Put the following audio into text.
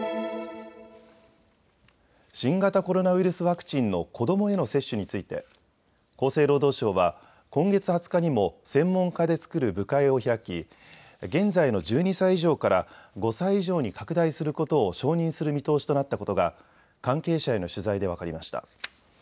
新型コロナウイルスワクチンの子どもへの接種について厚生労働省は今月２０日にも専門家で作る部会を開き現在の１２歳以上から５歳以上に拡大することを承認する見通しとなったことが関係者への取材で分かりました。